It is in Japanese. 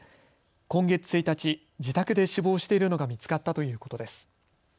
今月１日、自宅で死亡しているのが見つかったということです。